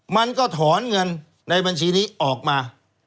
มันก็ถอนเงินในบัญชีนี้ออกมา